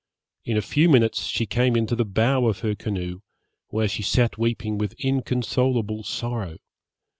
In a few minutes she came into the bow of her canoe, where she sat weeping with inconsolable sorrow.